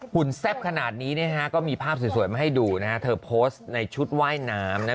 แซ่บขนาดนี้ก็มีภาพสวยมาให้ดูนะฮะเธอโพสต์ในชุดว่ายน้ำ